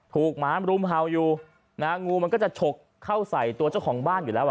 หมามรุมเห่าอยู่นะฮะงูมันก็จะฉกเข้าใส่ตัวเจ้าของบ้านอยู่แล้วอ่ะ